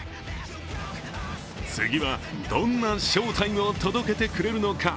次はどんな翔タイムを届けてくれるのか。